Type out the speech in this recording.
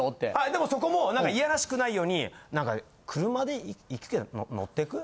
でもそこも嫌らしくないように「車で行くけど乗ってく？」